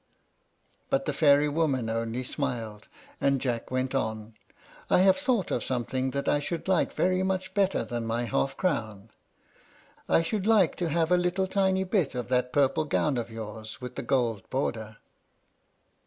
But the fairy woman only smiled, and Jack went on: "I have thought of something that I should like much better than my half crown. I should like to have a little tiny bit of that purple gown of yours with the gold border."